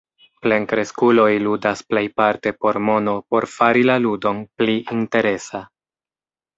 Plenkreskuloj ludas plejparte por mono por fari la ludon pli interesa.